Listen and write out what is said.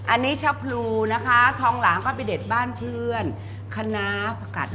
อันนี้ชะพลูนะคะทองหลางก็ไปเด็ดบ้านเพื่อนคณะผักกัด